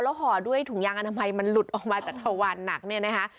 ห่อด้วยถุงยางอนามัยมันหลุดออกมาจากทวานหนักเนี่ยนะคะ